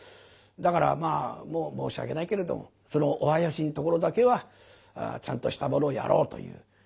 だからまあ申し訳ないけれどそのお囃子のところだけはちゃんとしたものをやろうという。